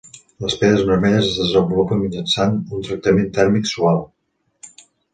Les pedres vermelles es desenvolupen mitjançant un tractament tèrmic suau.